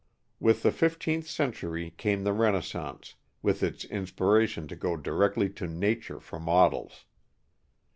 With the fifteenth century came the Renaissance, with its inspiration to go directly to nature for models.